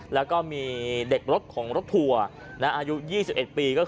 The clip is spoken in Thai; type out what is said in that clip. แล้วก็มีเด็กรถของรถทัวร์อายุ๒๑ปีก็คือ